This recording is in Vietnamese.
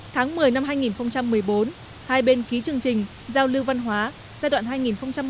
tháng một mươi năm hai nghìn một mươi bốn hai bên ký chương trình giao lưu văn hóa giai đoạn hai nghìn một mươi năm hai nghìn một mươi tám